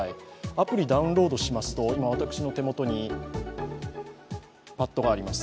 アプリダウンロードしますと、今私の手元にパッドがあります。